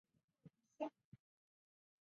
趾尖有发展完善的盘状物。